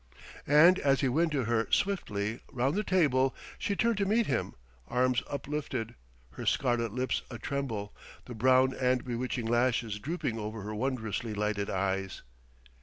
And as he went to her swiftly, round the table, she turned to meet him, arms uplifted, her scarlet lips a tremble, the brown and bewitching lashes drooping over her wondrously lighted eyes....